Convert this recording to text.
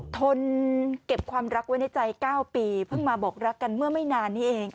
ทนเก็บความรักไว้ในใจ๙ปีเพิ่งมาบอกรักกันเมื่อไม่นานนี้เอง